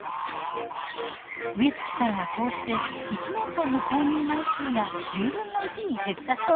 植月さんはこうして１年間の購入枚数が１０分の１に減ったそう。